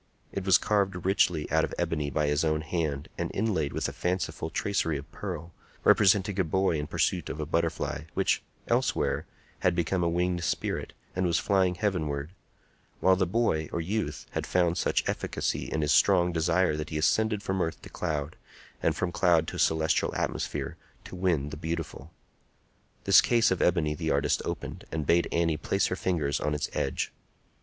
It was carved richly out of ebony by his own hand, and inlaid with a fanciful tracery of pearl, representing a boy in pursuit of a butterfly, which, elsewhere, had become a winged spirit, and was flying heavenward; while the boy, or youth, had found such efficacy in his strong desire that he ascended from earth to cloud, and from cloud to celestial atmosphere, to win the beautiful. This case of ebony the artist opened, and bade Annie place her fingers on its edge.